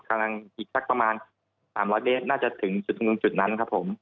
กำลังถึงสักประมาณ๓๐๐เดตน่าจะถึงจุดนั้นครับผม